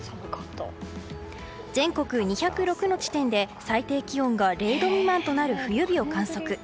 全国２０６の地点で最低気温が０度未満となる冬日を観測。